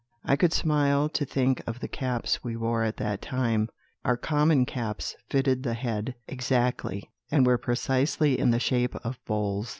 "I could smile to think of the caps we wore at that time; our common caps fitted the head exactly, and were precisely in the shape of bowls.